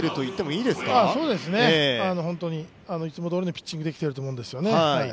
そうですね、本当にいつもどおりのピッチングできてると思うんですよね。